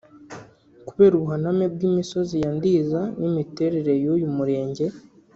Kubera ubuhaname bw’imisozi ya Ndiza n’imiterere y’uyu murenge